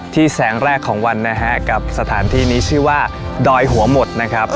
ที่แสงแรกของวันกับสถานที่นี่ชื่อว่าดอยหัวหมด